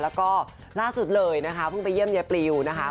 แล้วก็ล่าสุดเลยนะคะเพิ่งไปเยี่ยมยายปลิวนะคะ